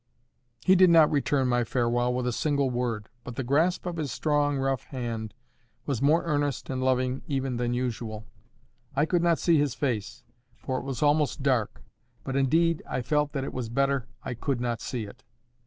He did not return my farewell with a single word. But the grasp of his strong rough hand was more earnest and loving even than usual. I could not see his face, for it was almost dark; but, indeed, I felt that it was better I could not see it.